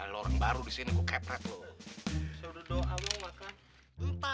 tuh lo yang baru disini gue kepret lo